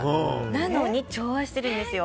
なのに調和しているんですよ。